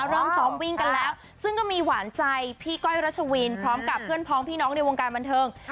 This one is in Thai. เริ่มซ้อมวิ่งกันแล้วซึ่งก็มีหวานใจพี่ก้อยรัชวินพร้อมกับเพื่อนพ้องพี่น้องในวงการบันเทิง